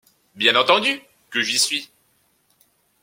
Bien entendu que j’y suis!